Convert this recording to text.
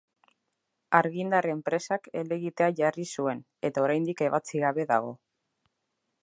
Argindar enpresak helegitea jarri zuen, eta oraindik ebatzi gabe dago.